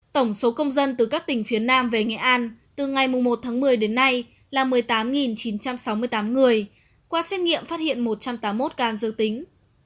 tổng số công dân từ các tỉnh phía nam về nghệ an từ ngày một tháng một mươi đến nay là một mươi tám chín trăm sáu mươi tám người qua xét nghiệm phát hiện một trăm tám mươi một ca dương tính